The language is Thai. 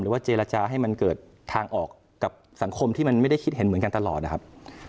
ว่าเจรจาให้มันเกิดทางออกกับสังคมที่มันไม่ได้คิดเห็นเหมือนกันตลอดนะครับ